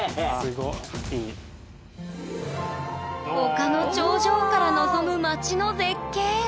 丘の頂上から望む街の絶景。